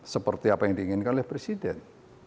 seperti apa yang diinginkan oleh presiden